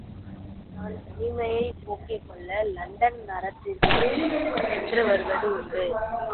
நான் தனிமையைப் போக்கிக்கொள்ள லண்டன் நரத்திற்குச் சென்று வருவது உண்டு.